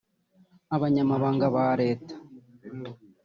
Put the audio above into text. Abanyamabanga ba Leta